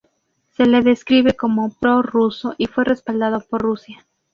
Se le describe como pro-ruso y fue respaldado por Rusia.